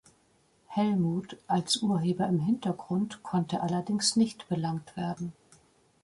Hellmuth als Urheber im Hintergrund konnte allerdings nicht belangt werden.